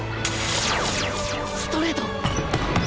ストレート！